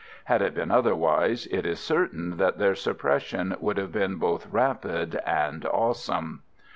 Had it been otherwise, it is certain that their suppression would have been both rapid and awesome.